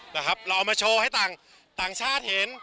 เราเอามาโชว์ให้ต่างชาติเห็น